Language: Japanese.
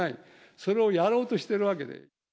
それをやろうとしているわけで。